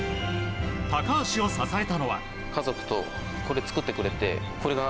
高橋を支えたのは。